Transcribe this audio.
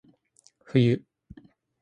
冬